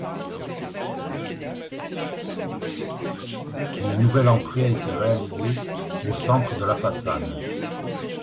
Une nouvelle entrée a été réalisée au centre de la façade.